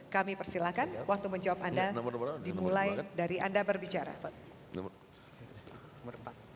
kami persilahkan waktu menjawab anda dimulai dari anda berbicara